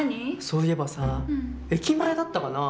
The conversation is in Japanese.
そいえばさ駅前だったかな？